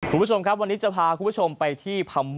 คุณผู้ชมครับวันนี้จะพาคุณผู้ชมไปที่พม่า